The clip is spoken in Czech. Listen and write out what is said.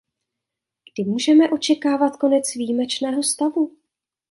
Kdy můžeme očekávat konec výjimečného stavu?